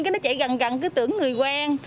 cái nó chạy gần gần cứ tưởng người quen